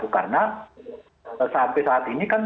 karena sampai saat ini kan